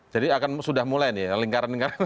jadi sudah mulai nih ya lingkaran lingkaran